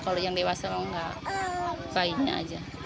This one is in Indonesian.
kalau yang dewasa mau enggak bayinya aja